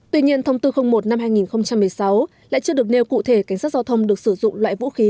tuy nhiên thông tư một năm hai nghìn một mươi sáu lại chưa được nêu cụ thể cảnh sát giao thông được sử dụng loại vũ khí